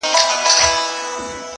څخه چي څه ووايم څنگه درته ووايم چي.